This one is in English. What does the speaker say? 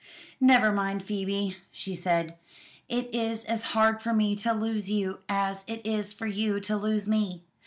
"Never mind, Phoebe," she said; "it is as hard for me to lose you as it is for you to lose me.